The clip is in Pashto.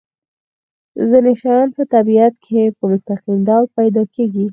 ځینې شیان په طبیعت کې په مستقیم ډول پیدا کیږي.